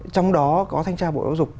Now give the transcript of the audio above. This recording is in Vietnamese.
trong đó có thanh tra bộ giáo dục